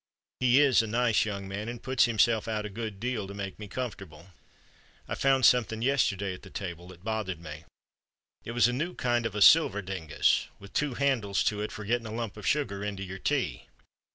He is a nice young man, and puts himself out a good deal to make me comfortable. "I found something yesterday at the table that bothered me. It was a new kind of a silver dingus, with two handles to it, for getting a lump of sugar into your tea.